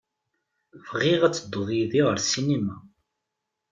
Bɣiɣ ad tedduḍ yid-i ɣer sinima.